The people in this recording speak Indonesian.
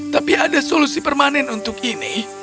tapi ada solusi permanen untuk ini